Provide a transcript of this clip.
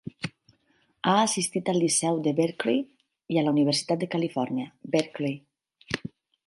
Ha assistit al liceu de Berkeley i a la Universitat de Califòrnia, Berkeley.